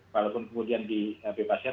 walaupun kemudian dibebasin